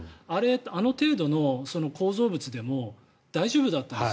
あの程度の構造物でも大丈夫だったんです。